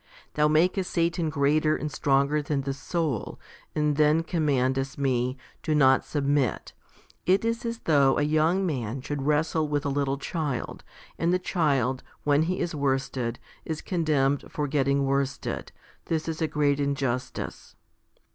"Thou makest Satan greater and stronger than the soul, and then commandest me, ' Do not submit.' It is as though a young man should wrestle with a little child, and the child, when he is worsted, is condemned for getting worsted. This is a great in justice."